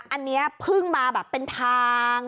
อันนี้เพิ่งมาแบบเป็นทาง